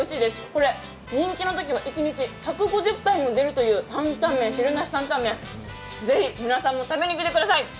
これ、人気のときは１日１５０杯も出るという汁なし担担麺、ぜひ、皆さんも食べにきてください！